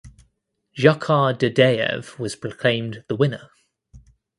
Dzhokhar Dudayev was proclaimed the winner.